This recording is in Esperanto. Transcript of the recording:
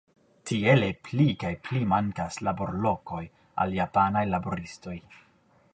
Tiele pli kaj pli mankas laborlokoj al japanaj laboristoj.